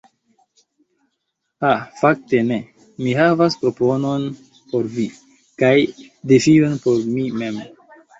Ha fakte ne! Mi havas proponon por vi, kaj defion por mi mem.